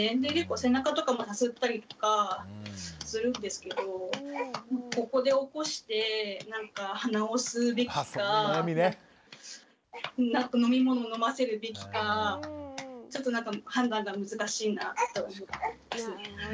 背中とかもさすったりとかするんですけどここで起こして鼻を吸うべきか何か飲み物を飲ませるべきかちょっと判断が難しいなと思いますね。